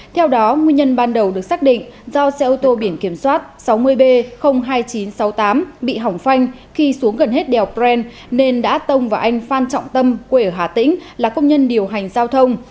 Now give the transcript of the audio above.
theo đó nguyên nhân ban đầu được xác định do xe ô tô biển kiểm soát sáu mươi b hai nghìn chín trăm sáu mươi tám bị hỏng phanh khi xuống gần hết đèo bren nên đã tông vào anh phan trọng tâm quê ở hà tĩnh là công nhân điều hành giao thông